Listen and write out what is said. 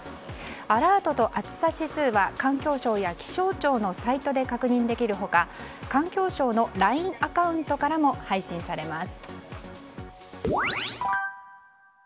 アラートと暑さ指数は環境省や気象庁の確認できる他、環境省のＬＩＮＥアカウントからも配信されます。